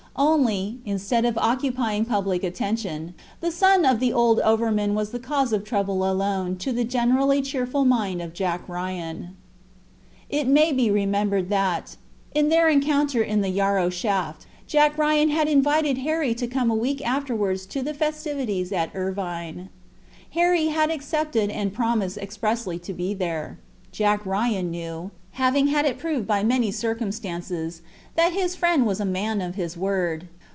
Only, instead of occupying public attention, the son of the old overman was the cause of trouble alone to the generally cheerful mind of Jack Ryan. It may be remembered that, in their encounter in the Yarrow shaft, Jack Ryan had invited Harry to come a week afterwards to the festivities at Irvine. Harry had accepted and promised expressly to be there. Jack Ryan knew, having had it proved by many circumstances, that his friend was a man of his word.